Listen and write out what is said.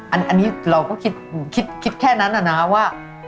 อันนี้เราก็คิดแค่นั้นอะนะว่า